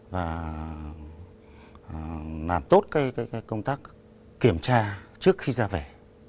và làm tốt cái công tác kiểm tra trước khi ra về